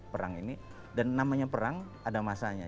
perang ini dan namanya perang ada masanya